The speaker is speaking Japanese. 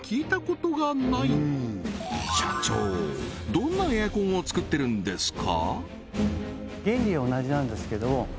どんなエアコンを作ってるんですか？